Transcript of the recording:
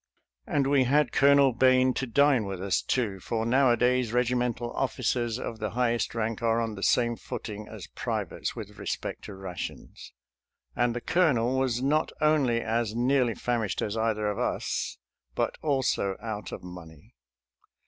And we had Colonel Bane to dine with us, too, for nowadays regimental officers of the highest rank are on the same footing as privates with respect to rations ; and the Colonel was not only as nearly famished as either of us, but also out of money.